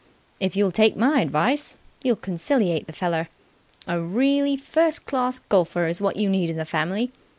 If you'll take my advice, you'll conciliate the feller. A really first class golfer is what you need in the family.